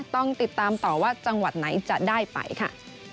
ต้องติดตามต่อว่าจังหวัดไหนจะได้ไปค่ะ